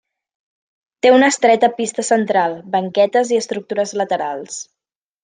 Té una estreta pista central, banquetes i estructures laterals.